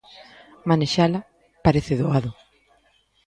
Manexala parece doado.